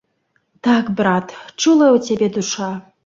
Так, брат, чулая ў цябе душа!